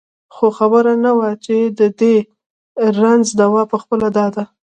خو خبره نه وه چې د دې رنځ دوا پخپله دا ده.